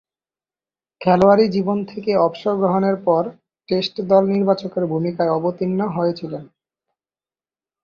খেলোয়াড়ী জীবন থেকে অবসর গ্রহণের পর টেস্ট দল নির্বাচকের ভূমিকায় অবতীর্ণ হয়েছিলেন।